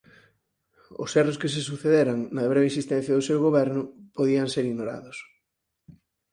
Os erros que se sucederan na breve existencia do seu goberno podían ser ignorados.